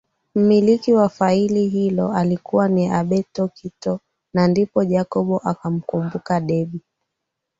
Mmiliki wa faili hilo alikuwa ni Alberto Kito na ndipo Jacob akamkumbuka Debby